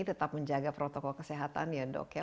tetap menjaga protokol kesehatan ya dok ya